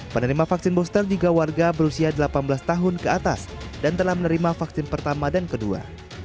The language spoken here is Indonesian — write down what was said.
penerima vaksin booster juga warga berusia delapan belas tahun ke atas dan telah menerima vaksin pertama dan kedua